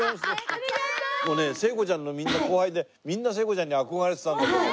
もうね聖子ちゃんのみんな後輩でみんな聖子ちゃんに憧れてたんだけども。